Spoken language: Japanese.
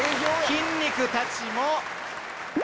筋肉たちも。